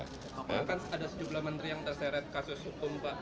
karena kan ada sejumlah menteri yang terseret kasus hukum pak